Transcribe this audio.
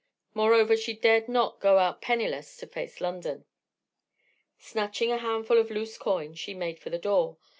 Moreover, she dared not go out penniless to face London. Snatching a handful of loose coin, she made for the door.